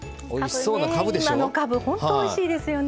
今のかぶ、本当においしいですよね。